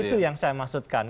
itu yang saya maksudkan